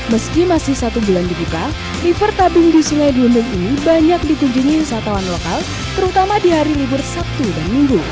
meski masih satu bulan dibuka river tabung di sungai delundung ini banyak dikunjungi wisatawan lokal terutama di hari libur sabtu dan minggu